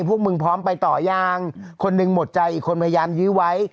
พวกมึงพร้อมไปต่อยังคนหนึ่งหมดใจอีกคนพยายามยื้อไว้